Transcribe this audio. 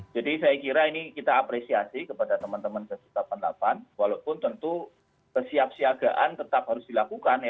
jadi saya kira ini kita apresiasi kepada teman teman j delapan puluh delapan walaupun tentu persiap siagaan tetap harus dilakukan ya